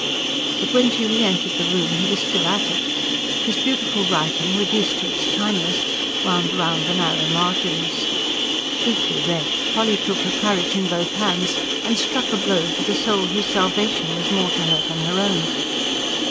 But when she re entered the room he was still at it. His beautiful writing, reduced to its tiniest, wound round the narrow margins. Deeply red, Polly took her courage in both hands, and struck a blow for the soul whose salvation was more to her than her own.